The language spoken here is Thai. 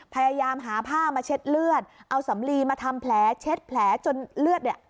พยายามหาผ้ามาเช็ดเลือดเอาสำลีมาทำแผลเช็ดแผลจนเลือดเนี่ย